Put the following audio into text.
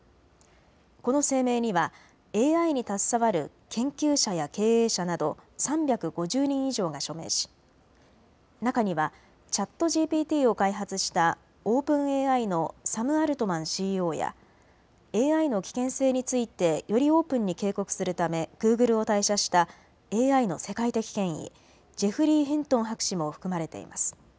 この声明にはＡＩに携わる研究者や経営者など３５０人以上が署名し中にはＣｈａｔＧＰＴを開発したオープンＡＩのサム・アルトマンＣＥＯやＡＩの危険性についてよりオープンに警告するためグーグルを退社したＡＩの世界的権威、ジェフリー・ヒントン博士も含まれています。